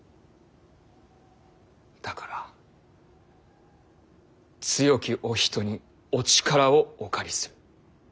だから強きお人にお力をお借りする。